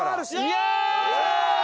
イエーイ！